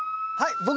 はい！